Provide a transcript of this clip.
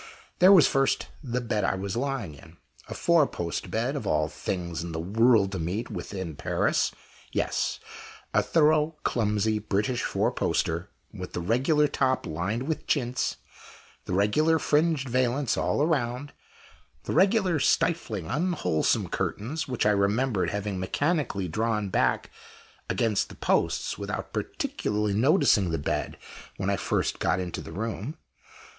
There was, first, the bed I was lying in; a four post bed, of all things in the world to meet with in Paris yes, a thorough clumsy British four poster, with the regular top lined with chintz the regular fringed valance all round the regular stifling, unwholesome curtains, which I remembered having mechanically drawn back against the posts without particularly noticing the bed when I first got into the room.